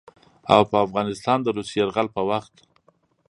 او په افغانستان د روسي يرغل په وخت